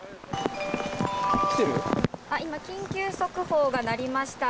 今緊急速報が鳴りました。